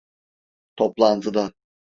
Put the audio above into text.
Toplantıda…